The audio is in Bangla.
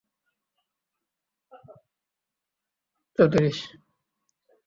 আইন অনুযায়ী কমিশন দেশের প্রতিটি জেলায় একটি শাখা কার্যালয় খুলতে পারে।